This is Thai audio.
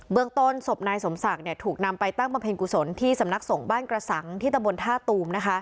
เมืองต้นศพนายสมศักดิ์ถูกนำไปตั้งบำเพ็ญกุศลที่สำนักส่งบ้านกระสังที่ตะบนท่าตูม